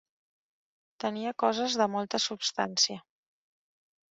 Tenia coses de molta substància.